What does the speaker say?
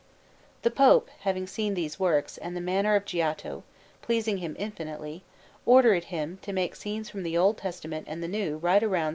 The Pope, having seen these works, and the manner of Giotto pleasing him infinitely, ordered him to make scenes from the Old Testament and the New right round S.